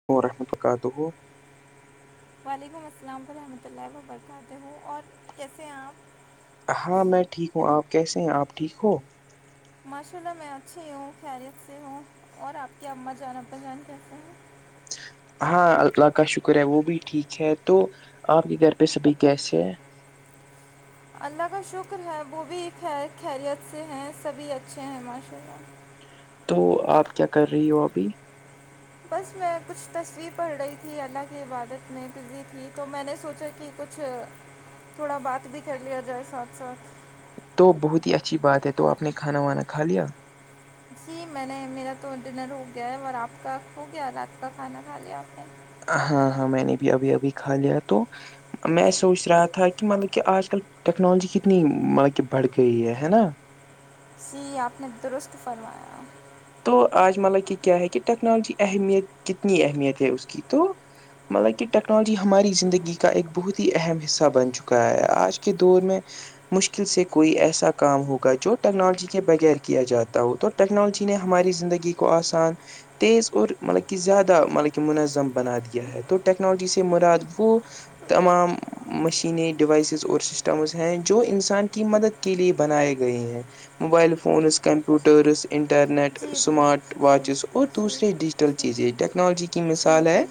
[inaudible] وعلیکم السلام ورحمۃ اللہ برکاتہ ہوں اور کیسے آپ ہاں میں ٹھیک ہوں آپ کیسے ہیں آپ ٹھیک ہو ماشاء اللہ میں اچھی ہوں خیریت سے ہوں اور آپ کی اماں جان ابا جان کیسے ہیں ہاں اللہ کا شکر ہے وہ بھی ٹھیک ہے تو آپ کے گھر پہ سبھی کیسے ہیں اللہ کا شکر ہے وہ بھی خیریت سے ہیں سبھی اچھے ہیں ماشاء اللہ تو آپ کیا کر رہی ہو ابھی بس میں کچھ تصویر پڑھ رہی تھی اللہ کی عبادت میں تھی تو میں نے سوچا کہ کچھ اچھا تھوڑا بات بھی کر لیا جائے ساتھ ساتھ تو بہت ہی اچھی بات ہے تو آپ نے کھانا وانا کھا لیا جی میں نے میرا تو ڈنر ہو گیا ہے اور آپ کا ہو گیا رات کا کھانا کھا لیا آپ نے ہاں ہاں میں نے بھی ابھی ابھی کھا لیا تو میں سوچ رہا تھا کہ مطلب کہ آج کل ٹیکنالوجی کتنی مطلب کہ بڑھ گئی ہے ہے نا اسی آپ نے درست فرمایا تو آج مطلب کہ کیا ہے کہ ٹیکنالوجی اہمیت کتنی اہمیت ہے اس کی تو مطلب کہ ٹیکنالوجی ہماری زندگی کا ایک بہت اہم حصہ بن چکا ہے آج کے دور میں مشکل سے کوئی ایسا کام ہوگا جو ٹیکنالوجی کے بغیر کیا جاتا ہو تو ٹیکنالوجی ج نے ہماری زندگی کو آسان تیز اور مطلب کہ زیادہ مطلب کہ منظم بنا دیا ہے تو ٹیکنالوجی سے مراد وہ تمام [unintelligible] مشینیں ڈیوائسیز اور سسٹمز ہیں جو انسان کی مدد کے لیے بنائے گئے ہیں موبائل فونز کمپوٹرز انٹرنیٹ جی جی اسمارٹ جی جی واچز اور جی دوسریے ڈیجیٹل جی چیزیں ٹیکنالوجی کی جی مثال ہے جی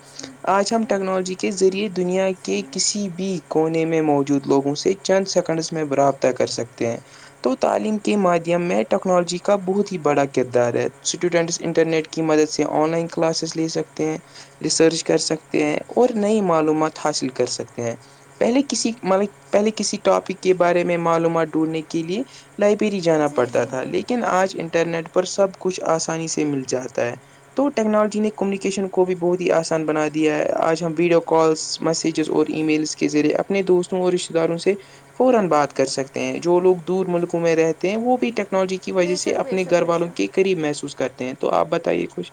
آج ہم ٹیکنالوجی کے ذریعے دنیا کے کسی بھی کونے میں موجود لوگوں سے چند سیکنڈس میں برابر کر سکتے ہیں تو تعلیم کے مادھیم میں ٹیکنالوجی کا بہت ہی بڑا کردار ہے اسٹوڈنٹس انٹرنیٹ کی مدد سے آن لائن کلاسز لے سکتے ہیں ریسرچ کر سکتے ہیں اور نئی معلومات حاصل کر سکتے ہیں پہلے کسی مطلب پہلے کسی ٹاپک کے بارے میں معلومات ڈھونڈھنے کے لیے لائبریری جانا جی جی پڑتا جی تھا جی لیکن آج انٹرنیٹ پر سب کچھ آسانی سے مل جاتا ہے تو ٹیکنالوجی نے کمیونیکیشن کو بھی بہت ہی آسان بنا دیا ہے آج ہم ویڈیو کالس میسیجز اور ای میلس کے ذریعے اپنے دوستوں اور رشتہ داروں سے فورا بات کر سکتے ہیں جو لوگ دور ملکوں میں رہتے ہیں وہ بھی ٹیکنالوجی کی وجہ بے سے شک بے اپنے شک گھر بے والوں شک کے قریب محسوس کرتے ہیں تو آپ بتائیے کچھ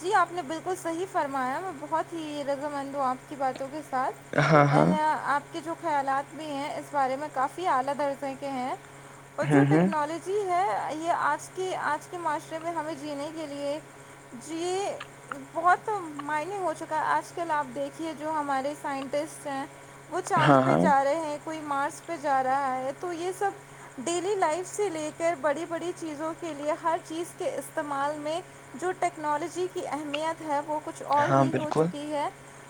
جی آپ نے بالکل صحیح فرمایا میں بہت ہی رضامند ہوں آپ کی باتوں کے ساتھ ہاں ہاں [unintelligible] جو خیالات بھی ہیں اس بارے میں کافی اعلی د عرصے کے ہیں اور جو ہوں ہوں ٹیکنالوجی جی ہے یہ آج کے آج کے معاشرے میں ہمیں جینے کے لیے جی بہت مائننگ ہو چکا ہے آج کل آپ دیکھیے جو ہمارے سائنٹسٹ ہیں وہ چاند ہاں پہ ہاں جا رہے ہیں کوئی مارس پہ جا رہا ہے تو یہ سب ڈیلی لائف سے لے کر بڑی بڑی چیزوں کے لیے ہر چیز کے استعمال میں جو ٹیکنالوجی کی اہمیت ہے وہ کچھ اور ہاں ہی ہو بالکل چکی ہے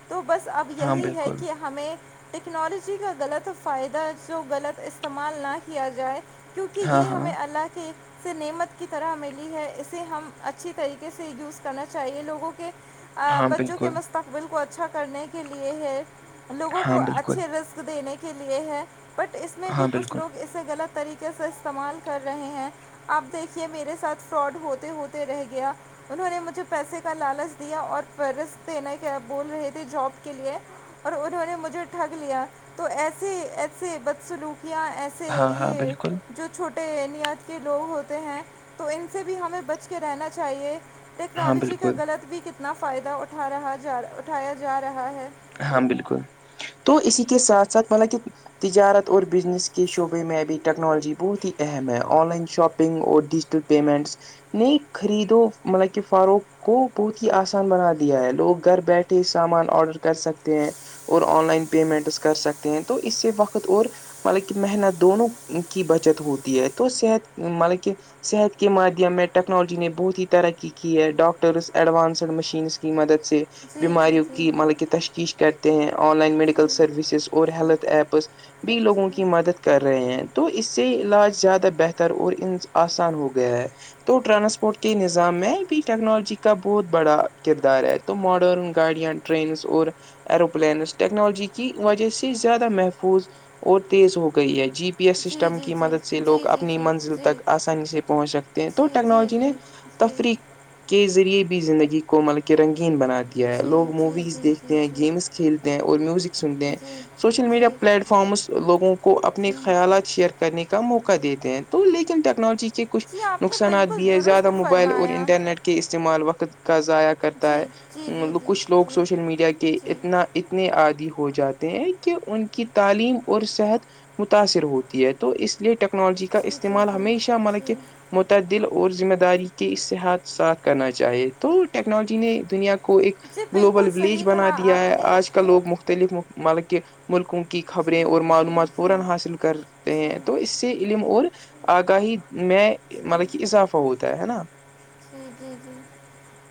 تو بس اب ہاں یہی ہے بالکل کہ ہمیں [unintelligible] ٹیکنالوجی کا غلط فائدہ جو غلط استعمال نہ کیا جائے کیونکہ ہاں یہ ہاں ہمیں اللہ کے سے نعمت کی طرح ملی ہے اسے ہم اچھی طریقے سے یوز کرنا چاہیے لوگوں کے ہاں بچوں کے بالکل مستق بل کو اچھا کرنے کے لیے ہے لوگوں ہاں کو بالکل اچھے رسق دینے کے لیے ہے بٹ اس میں بھی ہاں کچھ بالکل لوگ اسے غلط طریقے سے استعمال کر رہے ہیں آپ دیکھیے میرے ساتھ فراڈ ہوتے ہوتے رہ گیا انہوں نے مجھے پیسے کا لالچ دیا اور فہرست دنے بول رہے تھے جاب کے لیے اور انہوں نے مجھے ٹھگ لیا تو ایسے ایسے بدسلوکیاں ایسے ہاں سے ہاں یہ بالکل جو چھوٹا پے ا نیات کے لوگ ہوتے ہیں تو ان سے بھی ہمیں بچ کے رہنا چاہیے ہاں ٹیکنالوجی بالکل کا غلط بھی کتنا فائدہ اٹھا رہا جا اٹھایا جا رہا ہے ہاں بالکل تو اسی کے ساتھ ساتھ مطلب کہ تجارت اور بزنس کے شعبے میں ابھی ٹیکنالوجی بہت ہی اہم ہے آن لائن شاپنگ اور ڈیجیٹل پیمنٹس نہیں خریدو مطلب کہ فاروق کو بہت ہی آسان بنا دیا ہے لوگ گھر بیٹھے سامان آڈر کر سکتے ہیں اور آن لائن پیمنٹس کر سکتے ہیں تو اس سے وقت اور مطلب کہ محنت دونوں کی بچت ہوتی ہے تو صحت مطلب کہ صحت کے مادھیم میں ٹیکنالوجی نے بہت ہی ترقی کی ہے ڈاکٹرس ایڈوانسڈ مشینس کی مدد سے جی جی بیماریوں جی کی مطلب کہ تشخیش کرتے ہیں آن لائن میڈیکل جی سروسز اور ہیلتھ ایپس بھی لوگوں کی مدد کر رہے ہیں تو اس سے علاج زیادہ بہتر اور ان آسان ہو گیا ہے تو ٹرانسپورٹ کے نظام میں بھی ٹیکنالوجی کا بہت بڑا کردار ہے تو ماڈرن گاڑیاں ٹنز اور ایروپلینس ٹیکنالوجی کی وجہ سے زیادہ محفوظ اور تیز ہو گئی ہے جی پی ایس جی سسٹم جی کی مدد جی سے جی لوگ جی جی اپنی منزل تک آسانی سے پہنچ سکتے ہیں تو جی جی ٹیکنالوجی نے جی تفریح کے ذریعے بھی زندگی کو ملک رنگین بنا دیا جی ہے جی جی لوگ جی جی جی موویز دیکھ جی کھیلتے ہیں اور میوزک سنتے ہیں جی سوشل میڈیا جی پلیٹ فارمس لوگوں کو اپنے جی خیالات شیئر کرنے کا موقع دیتے ہیں تو لیکن ٹیکنالوجی کے کے کچھ جی آپ نے نقصانات بالکل بھی ہیں زیادہ درست موبائل اور فرمایا انٹرنیٹ کے استعمال وقت کا ضائع کرتا جی ہے جی جی مطلب جی کچھ لوگ جی سوشل میڈیا کے کہ جی اتنا اتنے عادی ہو جاتے ہیں کہ ان کی تعلیم اور صحت متاثر ہوتی ہے تو اس لیے ٹیکنالوجی کا جی جی استعمال جی ہمیشہ ملب کہ جی متعدل اور ذمہ داری کے اسصحات ساتھ کرنا چاہیے تو ٹیکنالوجی نے دنیا کو ایک جی گلوبل بالکل ولیج صحیح بنا کہا دیا آپ ہے نے آج کل لوگ مختلف مطلب کے ملکوں کے [inaudible] جی میں جی جی جی جی مطلب کہ اضافہ ہوتا ہے نا جی جی جی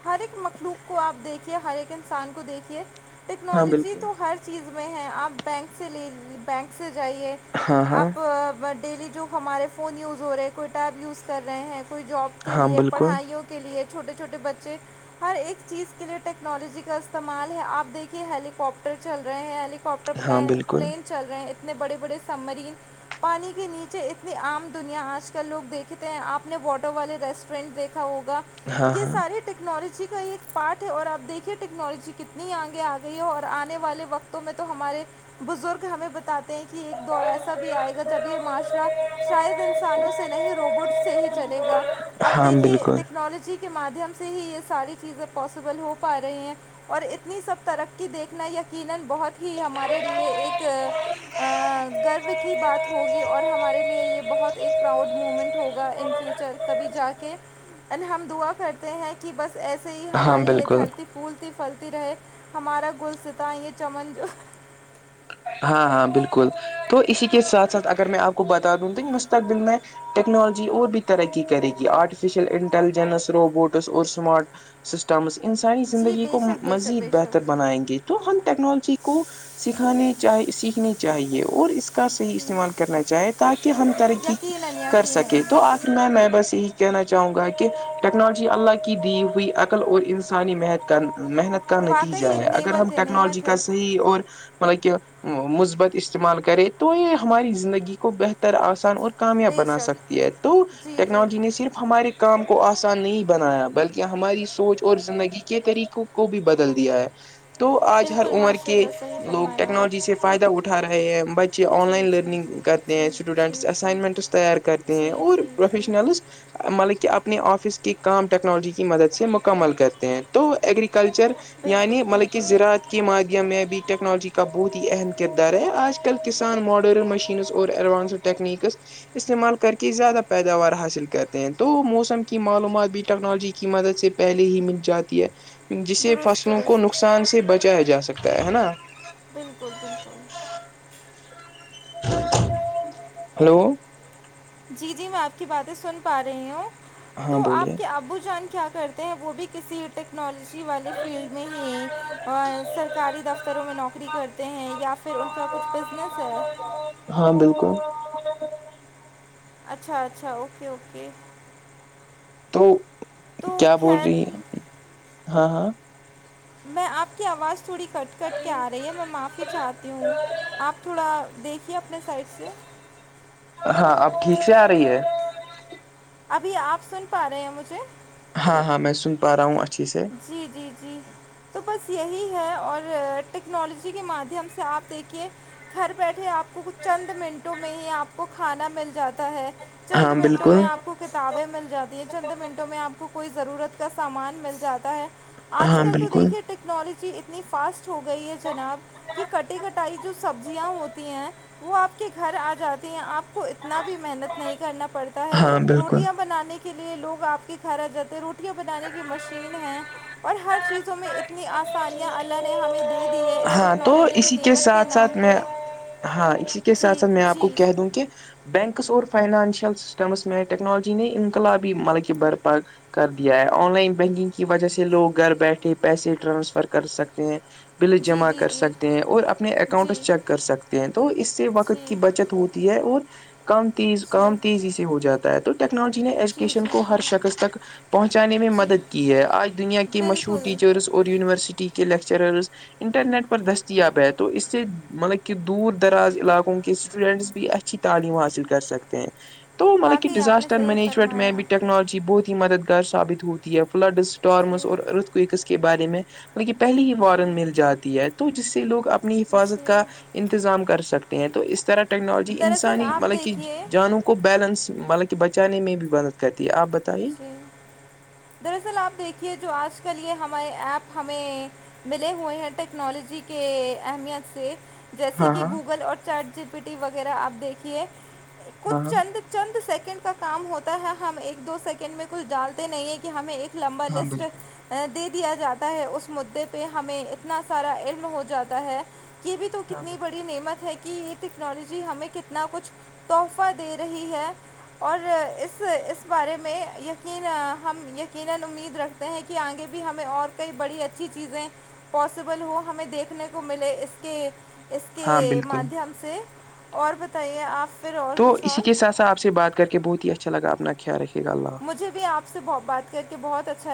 ہر ایک مخلوق کو آپ دیکھیے ہر ایک انسان کو دیکھیے ہاں ٹیکنالوجی بالکل تو ہر چیز میں ہے آپ بینک سے لے بینک سے جائیے ہاں ہاں آپ ڈیلی جو ہمارے فون یوز ہو رہے ہیں کوئی ٹیب یوز کر رہے ہیں کوئی جاب کے ہاں لیے بالکل پڑھائیوں کے لیے چھوٹے چھوٹے بچے ہر ایک چیز کے لیے ٹیکنالوجی کا استعمال ہے آپ دیکھیے ہیلییکپٹر چل رہے ہیں ہیلی پٹر ہاں بالکل پلین چل رہے ہیں اتنے بڑے بڑے سب مرین پانی کے نیچے اتنی عام دنیا آج کل لوگ دیکھتے ہیں آپ نے واٹر والے ریسٹ ٹرینڈ دیکھا ہوگا ہاں یہ ہاں سارے ٹیکنالوجی کا ہی ایک پارٹ ہے اور آ دیکھیے ٹیکنالوجی کتنی آگے آ گئی ہے اور آنے والے وقت تو میں تو ہمارے بزرگ ہمیں بتاتے ہیں کہ ایک دور ایس بھی آئے گا جب یہ معاشرہ شاید انسانوں سے نہیں روبوٹ سے ہی چلے گا اب ہاں دیکھیے بالکل ٹیکنالوجی کے مادھیم سے ہی یہ ساری چیزیں پاسیبل ہو پا رہی ہیں [inaudible] گرو کی بات ہوگی اور ہمارے لیے یہ بہت ایک پراؤڈ مومنٹ ہوگا ان فیوچر کبھی جا کے ہم دعا کرتے ہیں کہ بس ایسے ہی ہاں ہماری یہ بالکل دھرتی پر پھولتی پھلتی رہے ہمارا گل ستا یہ چمن جو ہاں ہاں بالکل تو اسی کے ساتھ ساتھ اگر میں آپ کو بتا دوں تو یہ مستقبل میں ٹیکنالوجی اور بھی ترقی کرے گی آرٹیفیشیل انٹیلیجنس روبوٹس اور اسمارٹ سسٹمس انسانی جی زندگی بے کو شک بے شک مزید بے بہتر شک بنائیں گے تو ہم ٹیکنالوجی کو سکھانے چ سیکھنی چاہیے اور اس کا صحیح استعمال کرنا چاہے تاکہ ہم ترقی یقیناً کر یقیناً سکیں تو آپ میں میں بس یہی کہنا چاہوں گا کہ ٹیکنالوجی اللہ کی دی ہوئی عقل اور انسانی مہت محنت کا نتیجہ واقعی ہے ایک اگر ہم نعمت ہے ٹیکنالوجی نعمت کا ہے صحیح اور مطلب کہ مثبت استعمال کرے تو یہ ہماری زندگی کو بہتر آسان اور کامیاب بے بنا شک سکتی ہے تو جی جی ٹیکنالوجی نے صرف ہمارے کام کو آسان نہیں بنایا بلکہ ہماری سوچ اور زندگی کے طریقوں کو بھی بدل دیا ہے تو آج ہر بالکل عمر ماشاء کے اللہ صحیح لوگ فرمایا ٹیکنالوجی ج سے فائدہ اٹھاے ہیں بچے آن لائن جی جی لرننگ جی کرتے ہیں جی جی اسٹوڈینٹس جی اسائنمنٹس تیار کرتے ہیں جی اور جی جی پروفیشنلز مطلب کہ اپنے آفس کے کام ٹیکنالوجی کی مدد سے مکمل کرتے ہیں تو ایگریکلچر بالکل یعنی مطلب کہ بالکل زرعت کی مادیم میں بھی ٹیکنالوجی کا بہت ہی اہم کردار ہے آج کل کسان ماڈرن مشینس اور ایڈوانسڈ ٹیکنیکس استعمال کر کے زیادہ پیداوار حاصل کرتے ہیں تو موسم کی معلومات بھی ٹیکنالوجی کی مدد سے پہلے ہی مل جاتی ہے جسے درست فصلوں کو درست نقصان سے بچایا جا سکتا ہے نا بالکل بالکل ہلو جی جی میں آپ کی باتیں سن پا رہی ہوں ہاں تو بولیے آپ کے ابو جان کیا کر وہ بھی کسی ٹیکنالوجی والے فیلڈ میں ہی اور سرکاری دفتروں میں نوکری کرتے ہیں یا پھر ان کا کچھ بزنس ہے ہاں بالکل اچھا اچھا اوکے اوکے تو تو کیا بول خیر رہی ہیں ہاں ہاں میں آپ کی آواز تھوڑی کٹ کٹ کے آ رہی ہے میں معافی چاہتی ہوں آپ تھوڑا دیکھیے اپنے سائٹ سے ہاں اب ٹھیک سے آ رہی ہے ابھی آپ سن پا رہے ہیں مجھے ہاں ہاں میں سن پا رہا ہوں اچھی سے جی جی جی تو بس یہی ہے اور ٹیکنالوجی کے مادھیم سے آپ دیکھیے گھر بیٹھے آپ کو چند منٹوں میں ہی آپ کو کھانا مل جاتا ہے چند ہاں منٹوں میں بالکل آپ کو کتابیں مل جاتی ہیں چند منٹوں میں آپ کو کوئی ضرورت کا سامان مل جاتا ہے آج ہاں کل تو بالکل دیکھیے ٹیکنالوجی اتنی فاسٹ ہو گئی ہے جناب کہ کٹی کٹائی جو سبزیاں ہوتی ہیں وہ آپ کے گھر آ جاتی ہیں آپ کو اتنا بھی محنت نہیں کرنا پڑتی ہے ہاں بالکل روٹیاں بنانے کے لیے لوگ آپ کے گھر آ جاتے ہیں روٹیاں بنانے کی مشور چین ہیں اور ہر چیزوں میں اتنی آسانیاں اللہ نے ہمیں دیش دی ہے اس ہاں تو ٹیکنالوجی کے اسی نعمت کے ساتھ نام ساتھ میں پہ ہاں اسی کے جی ساتھ ساتھ میں آپ جی کو کہہ دوں کہ بینکس اور فائنانشل سسٹمس میں ٹیکنالوجی ن انقلابی ملکہ بھرپاک کر دیا ہے آن لائن بینکنگ کی وجہ سے لوگ گھر بیٹھے پیسے ٹرانسفر کر سکتے ہیں بل جی جمع جی کر جی سکتے ہیں اور اپنے جی اکاؤنٹس چیک کر سکتے ہیں تو اس سے وقت جی کی بچت ہو ہے اور کم تیز جی کام تیزی سے ہو جاتا ہے تو ٹیکنالوجی نے جی ایجوکیشن جی کو جی ہر شکص تک پہنچانے میں جی مدد کی ہے آج دنیا کے مشہور بالکل ٹیچرس اور یونیورسٹی کے لیکچررز انٹرنیٹ پر دستیاب ہے تو اس سے مطلب کہ دور دراز علاقوں کے اسٹوڈنٹس بھی اچھی تعلیم حاصل کر سکتے ہیں تو مطلب کہ واقعی آپ نے ڈیزاسٹر صحیح مینجمنٹ میں اب فرمایا ٹیک ٹیکنالوجی بہت ہی مددگار ثابت ہوتی ہے فلڈس جی ٹارمس اور ارتھ کوکس کے بارے میں ل کہ پہلیے ہی وارن مل جی جاتی ہے تو جس سے لوگ اپنی حفاظت جی کا انتظام کر سکتے ہیں تو اس طرح ٹیکنالوجی دراصل انسانی آپ مطلب کہ دیکھیے جانو کو بیلنس مطلب کہ بچانے میں بھی مدد کرتی ہے آپ بتائیے ہ دراصل آپ دیکھیے جو آج کل یہ ہمارے ایپ ہمیں ملے ہوئے ہیں ٹیکنالوجی کے اہمیت سے جیسے ہاں کہ ہاں گوگل اور چیٹ جی پی ٹی وغیرہ آپ دیکھیے ہاں کچھ ہاں چند چند سیکنڈ کا کام ہوتا ہے ہم ایک دو سیکنڈ میں کچھ ڈالتے نہیں ہیں کہ ہمیں ایک [unintelligible] لمبر ہاں لسٹ بالکل [unintelligible] دے دیا جاتا ہے اس مدعے پہ ہمیں اتنا سارا علم ہو جاتا ہے [unintelligible] یہ بھی تو ہاں کتنی بالکل بڑی نعمت ہے [unintelligible] کہ یہ ٹیکنالوجی ہمیں کتنا کچھ تحفہ دے رہی ہے اور اس اس بارے میں یقینا [unintelligible] [unintelligible] پاسبل ہو ہمیں دیکھنے کو ملے اس کے اس ہاں کے بالکل مادھیم سے اور بتائیے آپ پھر اور تو کچھ اسی اور کے ساتھ سھ آپ سے بات کر کے بہت ہی اچھا لگا اپنا خیال رکھھیے گا اللہ مجھ بھی آپ سے بات کر کے بہت اچھا